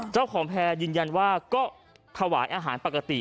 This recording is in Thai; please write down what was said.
เจ้าของแพร่ยืนยันว่าก็ขวายอาหารปกติ